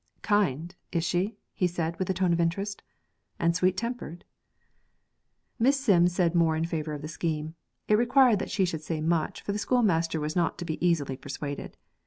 'Kind is she?' said he, with a tone of interest; 'and sweet tempered?' Mrs. Sims said more in favour of the scheme; it required that she should say much, for the schoolmaster was not to be easily persuaded.